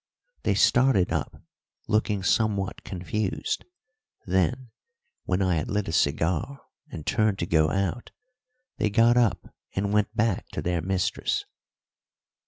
They started up, looking somewhat confused; then, when I had lit a cigar and turned to go out, they got up and went back to their mistress.